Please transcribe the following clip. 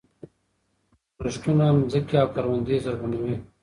ورښتونه ځمکې او کروندې زرغونوي.